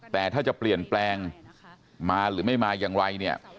แต่ถ้าจะเปลี่ยนแปลงมาหรือไม่มาอย่างไรเนี่ย